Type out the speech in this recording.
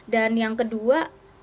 dan yang kedua